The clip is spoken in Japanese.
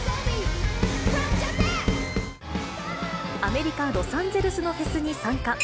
アメリカ・ロサンゼルスのフェスに参加。